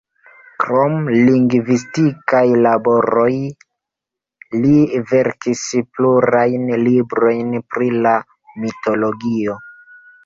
Krom lingvistikaj laboroj, li verkis plurajn librojn pri la mitologio.